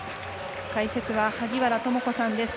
解説は萩原智子さんです。